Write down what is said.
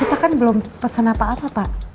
kita kan belum pesan apa apa pak